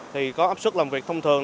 thì có áp sức làm việc thông thường